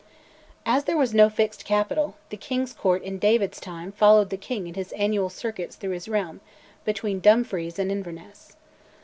As there was no fixed capital, the King's Court, in David's time, followed the King in his annual circuits through his realm, between Dumfries and Inverness.